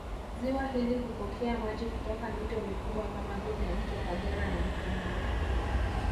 Ziwa hili hupokea maji kutoka mito mikubwa kama vile Mto Kagera na Mto Mara